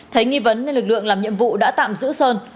thấy nghi vấn nên lực lượng làm nhiệm vụ đã tạm giữ sơn